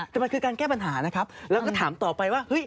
แต่มันคือการแก้ปัญหานะครับแล้วก็ถามต่อไปว่าเฮ้ย